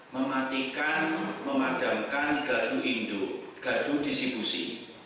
mematikan memadamkan gadu indu gadu disipusi